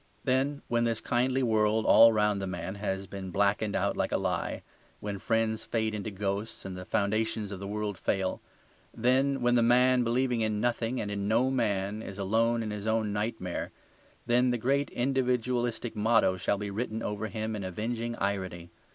Then when this kindly world all round the man has been blackened out like a lie; when friends fade into ghosts, and the foundations of the world fail; then when the man, believing in nothing and in no man, is alone in his own nightmare, then the great individualistic motto shall be written over him in avenging irony.